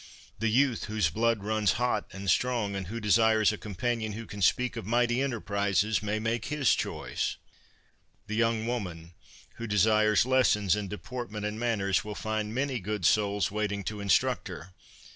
The youth whose blood runs hot and strong, and who desires a companion who can speak of mighty enter prises, may make his choice. The young woman who desires lessons in deportment and manners will find many good souls waiting to instruct her.